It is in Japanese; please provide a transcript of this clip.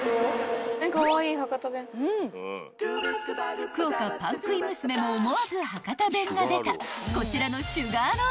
［福岡パン食い娘も思わず博多弁が出たこちらの］